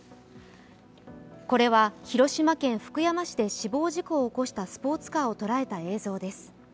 これは広島県福山市で死亡事故を起こしたスポーツカーを捉えた映像です。